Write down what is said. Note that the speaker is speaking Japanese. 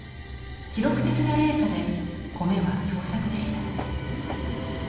記録的な冷夏で米は凶作でした。